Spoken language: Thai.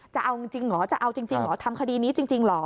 จะเอาจริงหรอทำคดีนี้จริงหรอ